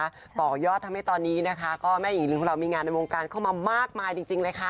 เนี่ยก็ทำให้ตอนนี้นะคะคุณแม่หญิงเรามีงานการเข้ามามากมายจริงเลยครับ